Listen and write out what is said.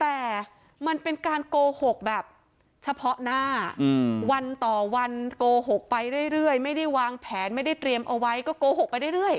แต่มันเป็นการโกหกแบบเฉพาะหน้าวันต่อวันโกหกไปเรื่อยไม่ได้วางแผนไม่ได้เตรียมเอาไว้ก็โกหกไปเรื่อย